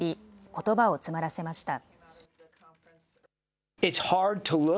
ことばを詰まらせました。